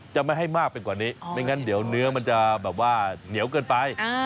จะไม่ให้มากไปกว่านี้ไม่งั้นเดี๋ยวเนื้อมันจะแบบว่าเหนียวเกินไป